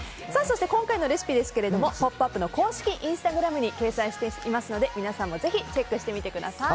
今回のレシピ「ポップＵＰ！」の公式インスタグラムに掲載していますので、皆さんもぜひチェックしてみてください。